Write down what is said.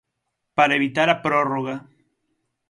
Para evitar a prórroga.